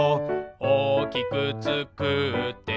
「おおきくつくって」